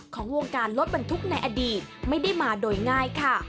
ของวงการรถบรรทุกในอดีตไม่ได้มาโดยง่ายค่ะ